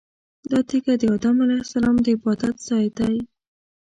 دا تیږه د ادم علیه السلام د عبادت ځای دی.